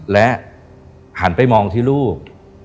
และหันไปมองที่ลูก